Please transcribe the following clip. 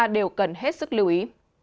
đều cần hết sức lưu ý